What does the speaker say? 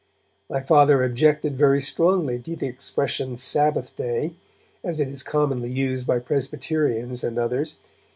My Father objected very strongly to the expression Sabbath day, as it is commonly used by Presbyterians and others.